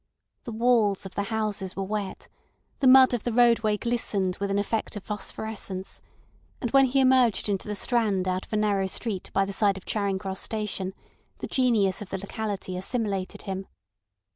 The walls of the houses were wet, the mud of the roadway glistened with an effect of phosphorescence, and when he emerged into the Strand out of a narrow street by the side of Charing Cross Station the genius of the locality assimilated him.